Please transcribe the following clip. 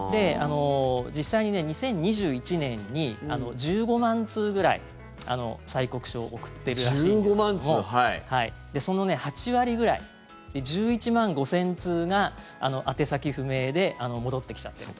実際に２０２１年に１５万通ぐらい、催告書を送ってるらしいんですけれどもその８割ぐらい１１万５０００通が宛先不明で戻ってきちゃってると。